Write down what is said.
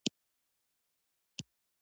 دا لوبه مې خوښه ده